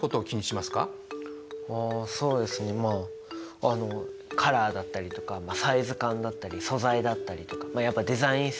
まああのカラーだったりとかサイズ感だったり素材だったりとかまあやっぱりデザイン性。